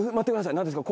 何ですか？